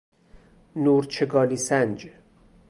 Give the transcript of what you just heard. نورچگالی سنج